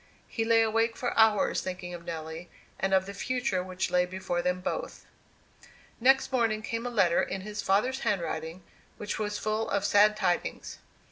He lay awake for hours thinking of Nelly, and of the future which lay before them both. Next morning came a letter, in his father's handwriting, which was full of sad tidings.